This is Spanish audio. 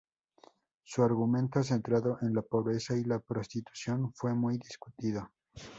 Su argumento, centrado en la pobreza y la prostitución, fue muy discutido.